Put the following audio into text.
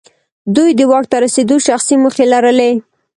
دوی د واک ته رسېدو شخصي موخې لرلې.